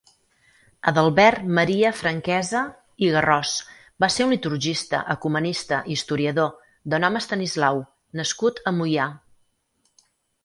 Adalbert Maria Franquesa i Garròs va ser un «Liturgista, ecumenista i historiador, de nom Estanislau» nascut a Moià.